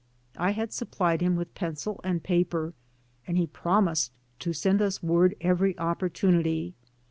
I had supplied him with pencil and paper, and he promised to send us word every opportunity.